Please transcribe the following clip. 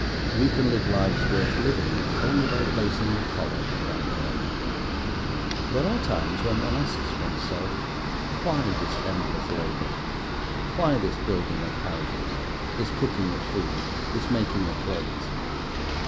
We can live lives worth living only by placing the collar round our neck. There are times when one asks oneself: Why this endless labour? Why this building of houses, this cooking of food, this making of clothes?